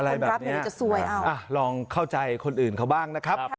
อะไรแบบนี้ลองเข้าใจคนอื่นเขาบ้างนะครับ